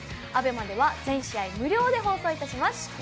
ＡＢＥＭＡでは全試合無料で放送いたします。